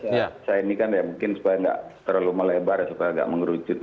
saya ini kan ya mungkin supaya nggak terlalu melebar supaya agak mengerucut